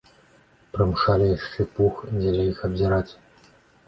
Прымушалі яшчэ пух дзеля іх абдзіраць.